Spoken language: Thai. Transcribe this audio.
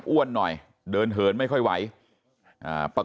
กระดิ่งเสียงเรียกว่าเด็กน้อยจุดประดิ่ง